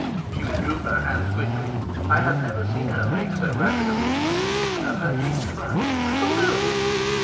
She withdrew her hands quickly, I had never seen her make so rapid a movement; and her cheeks flushed. "Oh no."